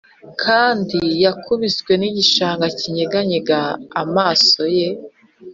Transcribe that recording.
kandi yakubiswe nigishanga kinyeganyega. amaso ye